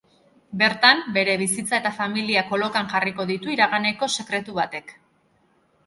Bertan, bere bizitza eta familia kolokan jarriko ditu iraganeko sekretu batek.